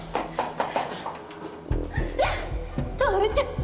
薫ちゃん！